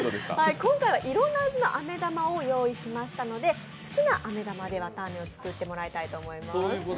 今回はいろんな味のあめ玉を用意しましたので、好きなあめ玉でわたあめを作ってもらいたいと思います。